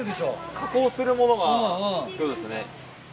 加工するものはそうですね。